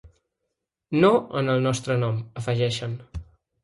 No en el nostre nom, afegeixen.